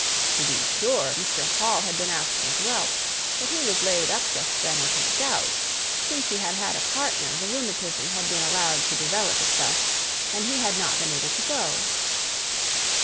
To be sure, Mr. Hall had been asked as well; but he was laid up just then with his gout (since he had had a partner the rheumatism had been allowed to develope itself), and he had not been able to go.